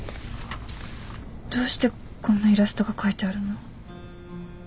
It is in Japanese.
どうしてこんなイラストが描いてあるの？